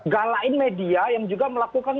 galain media yang juga melakukan